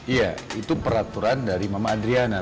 iya itu peraturan dari mama adriana